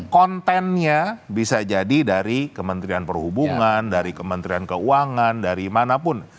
kontennya bisa jadi dari kementrian perhubungan dari kementrian keuangan dari mana pun